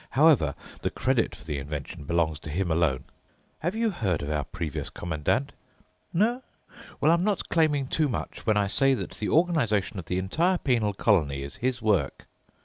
However, the credit for the invention belongs to him alone. Have you heard of our previous Commandant? No? Well, I'm not claiming too much when I say that the organization of the entire penal colony is his work.